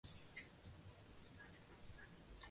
西到托特纳姆法院路。